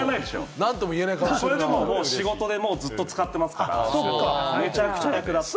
仕事でずっと使ってますから、めちゃくちゃ役立っている。